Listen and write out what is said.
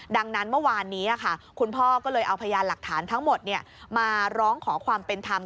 ดังนั้นเมื่อวานนี้คุณพ่อก็เลยเอาพยานหลักฐานทั้งหมดมาร้องขอความเป็นธรรม